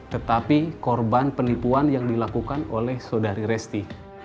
tetapi korban penipuan yang dilakukan oleh saudari resti